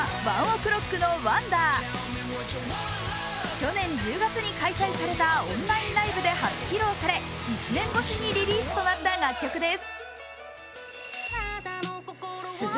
去年１０月に開催されたオンラインライブで初披露され１年越しにリリースとなった楽曲です。